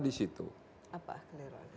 di situ apa kekeliruan